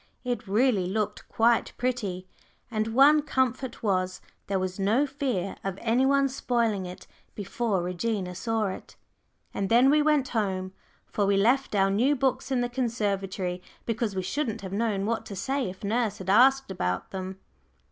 It really looked quite pretty, and one comfort was, there was no fear of any one spoiling it before Regina saw it. And then we went home, but we left our new books in the conservatory, because we shouldn't have known what to say if nurse had asked us about them.